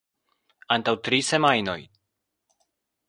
Antaŭ tri semajnoj.